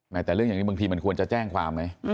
แต่เรื่องอย่างนี้บางทีมันควรจะแจ้งความไหม